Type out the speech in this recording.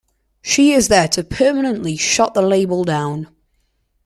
She is there to permanently shut the label down.